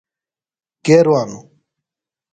کے روانوۡ؟